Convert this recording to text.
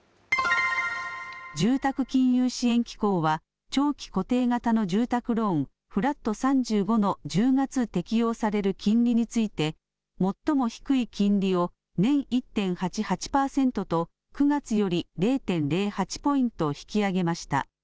住宅金融支援機構は、長期固定型の住宅ローン、フラット３５の１０月適用される金利について、最も低い金利を年１．８８％と、９月より０．０８ポイント引き上げました。